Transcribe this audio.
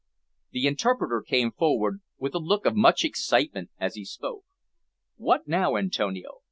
The interpreter came forward with a look of much excitement as he spoke. "What now, Antonio?"